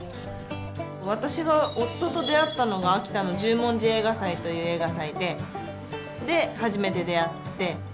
私が夫と出会ったのが秋田の十文字映画祭という映画祭でで初めて出会って。